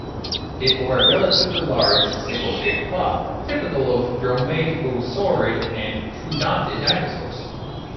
It bore a relatively large, sickle-shaped claw, typical of dromaeosaurid and troodontid dinosaurs.